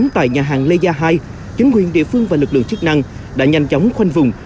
tại nhà hàng lê gia hai chính quyền địa phương và lực lượng chức năng đã nhanh chóng khoanh vùng